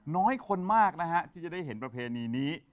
น้อยคนมากนะฮะที่จะได้เห็นประเพณีนี้